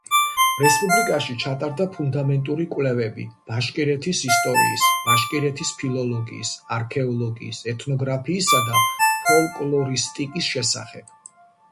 რესპუბლიკაში ჩატარდა ფუნდამენტური კვლევები ბაშკირეთის ისტორიის, ბაშკირეთის ფილოლოგიის, არქეოლოგიის, ეთნოგრაფიისა და ფოლკლორისტიკის შესახებ.